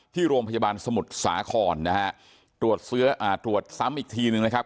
ที่โรงพยาบาลสมุทรสาขรนะฮะตรวจซ้ำอีกทีหนึ่งนะครับ